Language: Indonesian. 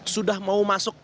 sudah mau masuk